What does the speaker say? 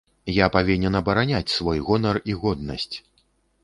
Я павінен абараняць свой гонар і годнасць!